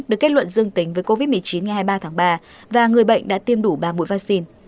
được kết luận dương tính với covid một mươi chín ngày hai mươi ba tháng ba và người bệnh đã tiêm đủ ba mũi vaccine